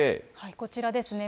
こちらですね。